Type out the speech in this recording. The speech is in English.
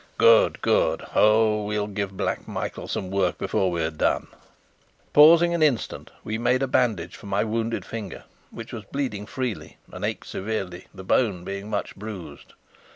'" "Good! good! Oh, we'll give Black Michael some work before we've done!" Pausing an instant, we made a bandage for my wounded finger, which was bleeding freely and ached severely, the bone being much bruised.